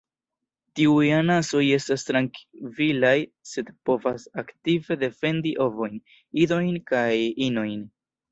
Tiuj anasoj estas trankvilaj, sed povas aktive defendi ovojn, idojn kaj inojn.